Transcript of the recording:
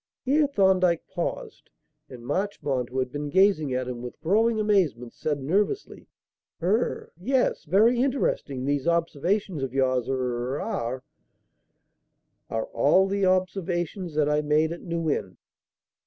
Here Thorndyke paused, and Marchmont, who had been gazing at him with growing amazement, said nervously: "Er yes. Very interesting. These observations of yours er are " "Are all the observations that I made at New Inn."